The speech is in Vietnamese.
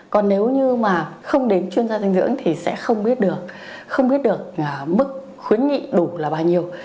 còn nếu như mà không đến chuyên gia dinh dưỡng thì sẽ không biết được mức khuyến nghị đủ là bao nhiêu